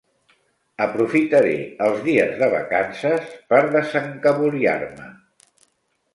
Aprofitaré els dies de vacances per desencaboriar-me.